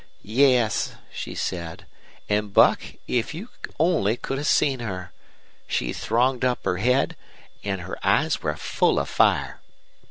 "'Yes,' she said; an', Buck, if you only could have seen her! She thronged up her head, an' her eyes were full of fire.